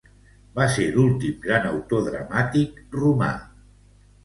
Va ser l'últim gran autor dramàtic romà.